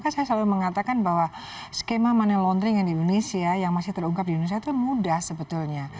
saya mengatakan bahwa skema money laundering yang masih terungkap di indonesia itu mudah sebetulnya